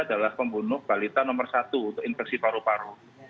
adalah pembunuh balita nomor satu untuk infeksi paru paru